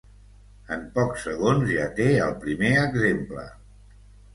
En pocs segons, ja té el primer exemple.